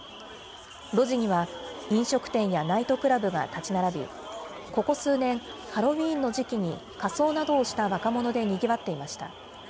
路地には飲食店やナイトクラブが建ち並び、ここ数年、ハロウィーンの時期に仮装などをした若者でにぎわっていました。